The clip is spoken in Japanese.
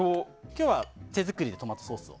今日は手作りでトマトソースを。